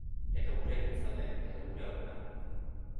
Edo gurekin zaude, edo gure aurka.